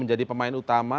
menjadi pemain utama